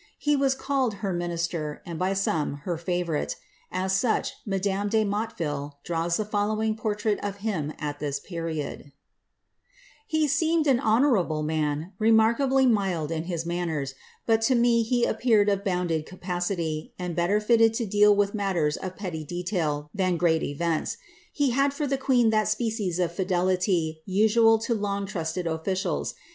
He was called her minister, and by some her favourite ; as such, madame de Motteville draws the following portrait of him at this period :—^ He seemed an honourable man, remarkably mild in his manners ; bat to me he appeared of bounded capacity, and better fitted to deal with matters of petty detail than great events. He had for the queen that species of fidelity usual to long trusted officials.